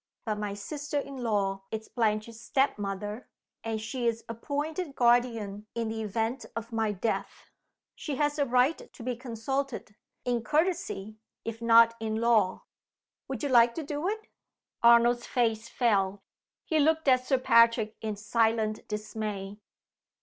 But my sister in law is Blanche's step mother, and she is appointed guardian in the event of my death. She has a right to be consulted in courtesy, if not in law. Would you like to do it?" Arnold's face fell. He looked at Sir Patrick in silent dismay.